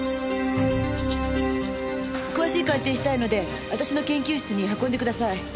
詳しい鑑定したいので私の研究室に運んでください。